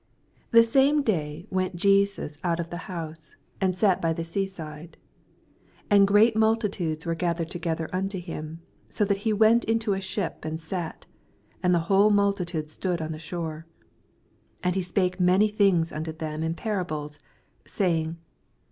1 The same day went Jesus oat of the house, and sat bj the sea side. 2 And great multitudes were gath ered together unto him, so that he went into a ship, and sat : and the whole multitude stood on ttte shore. 8 And he spake many things unto them in parables, saying.